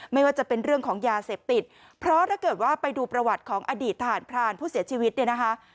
ไม่ว่าจะเป็นเรื่องของยาเสพติดเพราะถ้าเกิดว่าไปดูประวัติของอดีตทหารพรานผู้เสียชีวิตเนี่ยนะคะ